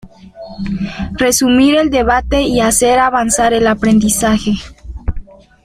Resumir el debate y hacer avanzar el aprendizaje.